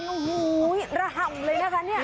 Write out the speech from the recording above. ต่อคู่รห่ำเลยค่ะเนี่ย